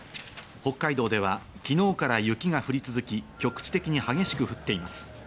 北海道では昨日から雪が降り続き、局地的に激しく降っています。